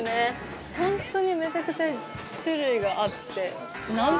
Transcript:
ホントにめちゃくちゃ種類があって。